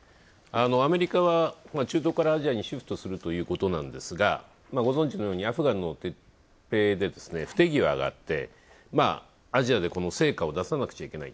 アメリカは中東からアジアにシフトするということなんですがご存じのようにアフガンの閲兵で不手際があってアジアで成果を出さなくちゃいけない